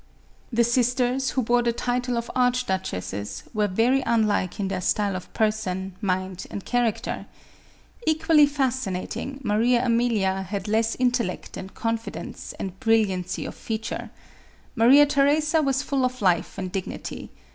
The sisters, who bore the title of archduchesses, were very unlike in their style of person, mind and charac ter. Equally fascinating, Maria Amelia had less intel lect and confidence and brilliancy of feature. Maria Theresa was full of life and dignity.